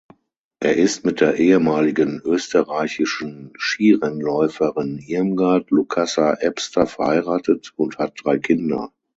Er ist mit der ehemaligen österreichischen Skirennläuferin Irmgard Lukasser-Ebster verheiratet und hat drei Kinder.